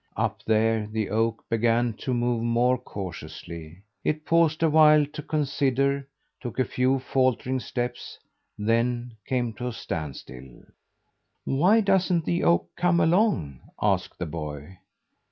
Up there the oak began to move more cautiously. It paused awhile to consider, took a few faltering steps, then came to a standstill. "Why doesn't the oak come along?" asked the boy.